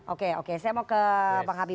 oke oke saya mau ke bang habib